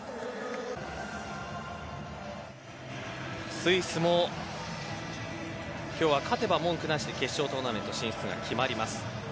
スイスも今日勝てば文句なしで決勝トーナメント進出が決まります。